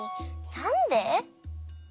なんで？